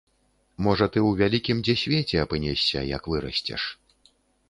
Можа ты ў вялікім дзе свеце апынешся, як вырасцеш.